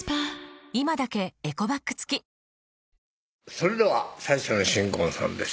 それでは最初の新婚さんです